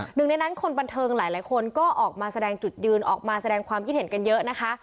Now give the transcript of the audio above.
หนึ่งในนั้นคนบันเทิงหลายคนก็ออกมาแสดงจุดยืนออกมาแสดงความคิดเห็นกันเยอะนะคะ